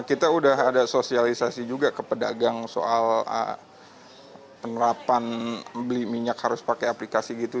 kita sudah ada sosialisasi juga ke pedagang soal penerapan beli minyak harus pakai aplikasi gitu